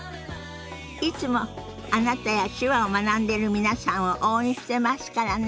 いつもあなたや手話を学んでる皆さんを応援してますからね。